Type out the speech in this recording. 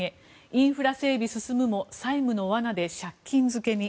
インフラ整備進むも債務の罠で借金漬けに。